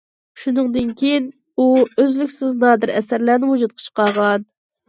شۇنىڭدىن كېيىن ئۇ ئۈزلۈكسىز نادىر ئەسەرلەرنى ۋۇجۇدقا چىقارغان.